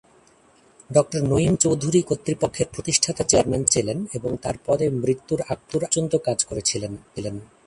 ডঃ নঈম চৌধুরী কর্তৃপক্ষের প্রতিষ্ঠাতা চেয়ারম্যান ছিলেন এবং তাঁর পদে মৃত্যুর আগ পর্যন্ত কাজ করেছিলেন।